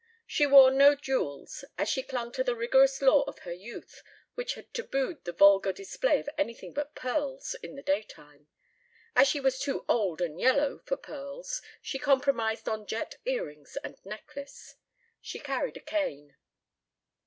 She wore no jewels, as she clung to the rigorous law of her youth which had tabued the vulgar display of anything but pearls in the daytime. As she was too old and yellow for pearls she compromised on jet earrings and necklace. She carried a cane.